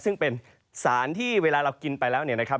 ซึ่งเป็นสารที่เวลาเรากินไปแล้วเนี่ยนะครับ